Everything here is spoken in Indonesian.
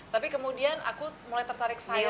tapi kemudian aku mulai tertarik saya